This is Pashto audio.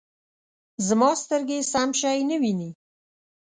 زما سترګې سم شی نه وینې